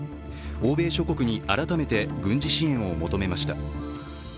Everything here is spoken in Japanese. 欧米諸国に改めて軍事支援を求めました。